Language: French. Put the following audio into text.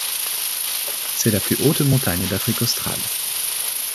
C'est la plus haute montagne d'Afrique australe.